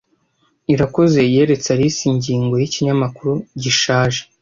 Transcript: Irakoze yeretse Alice ingingo yikinyamakuru gishaje.